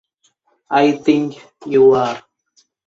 I think you are.